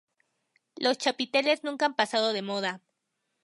Los chapiteles nunca han pasado de moda.